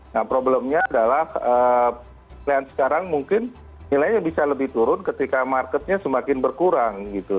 nah problemnya adalah sekarang mungkin nilainya bisa lebih turun ketika marketnya semakin berkurang gitu